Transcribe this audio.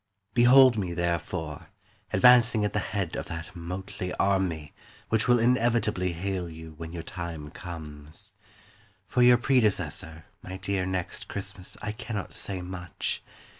Behold me, therefore, advancing At the head of that motley army Which will inevitably hail you When your time comes. For your predecessor, My dear Next Christmas, I cannot say much.